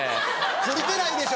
懲りてないでしょ！